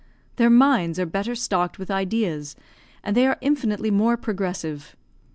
Their minds are better stocked with ideas, and they are infinitely more progressive.